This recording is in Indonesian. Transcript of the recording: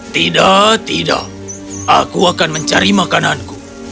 tidak tidak aku akan mencari makananku